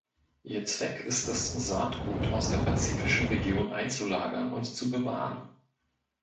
Ihr Zweck ist es Saatgut aus der pazifischen Region einzulagern und zu bewahren.